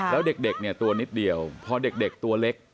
แล้วเด็กเนี่ยตัวนิดเดียวพอเด็กตัวเล็ก